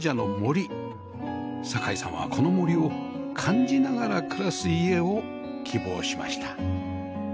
堺さんはこの森を感じながら暮らす家を希望しました